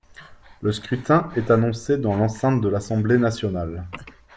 Le scrutin est annoncé dans l’enceinte de l’Assemblée nationale.